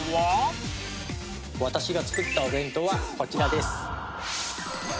私が作ったお弁当はこちらです